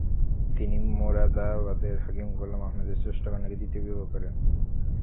তিনি মোরাদাবাদের হাকিম গোলাম আহমদের জ্যেষ্ঠ কন্যাকে দ্বিতীয় বিবাহ করেন।